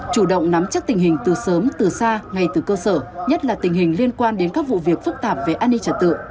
chủ động nắm chắc tình hình từ sớm từ xa ngay từ cơ sở nhất là tình hình liên quan đến các vụ việc phức tạp về an ninh trật tự